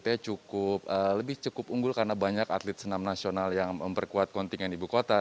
atletnya cukup lebih cukup unggul karena banyak atlet senam nasional yang memperkuat kontingen ibu kota